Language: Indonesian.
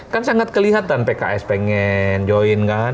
kan sangat kelihatan pks pengen join kan